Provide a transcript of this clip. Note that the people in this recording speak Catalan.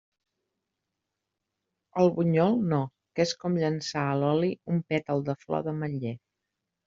El bunyol, no, que és com llançar a l'oli un pètal de flor d'ametler.